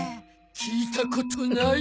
聞いたことない。